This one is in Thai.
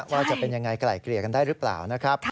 ว่าจะเป็นยังไงไกล่เกลี่ยกันได้หรือเปล่านะครับ